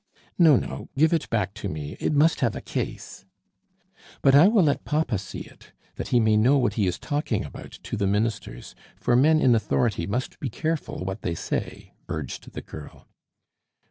"No, no. Give it back to me; it must have a case." "But I will let papa see it, that he may know what he is talking about to the ministers, for men in authority must be careful what they say," urged the girl.